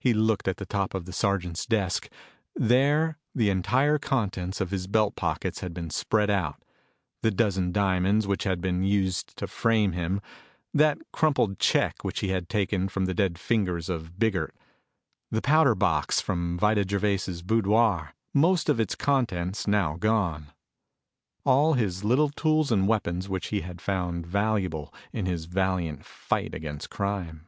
He looked at the top of the sergeant's desk. There the entire contents of his belt pockets had been spread out the dozen diamonds which had been used to frame him; that crumpled check which he had taken from the dead fingers of Biggert; the powder box from Vida Gervais' boudoir, most of its contents now gone; all his little tools and weapons which he had found valuable in his valiant fight against crime.